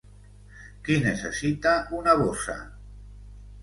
Qui necessita una bossa?